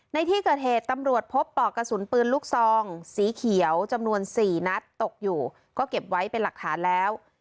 ในที่เกิดเหตุตำรวจพบปลอกกระสุนปืนลูกซองสีเขียวจำนวน๔นัดตกอยู่ก็เก็บไว้เป็นหลักฐานแล้ว